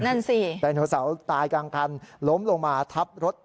นั่นสิไดโนเสาร์ตายกลางคันล้มลงมาทับรถ